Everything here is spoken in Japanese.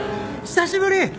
久しぶり。